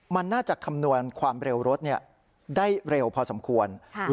มันน่าจะคำนวณความเร็วรถได้เร็วพอสมควร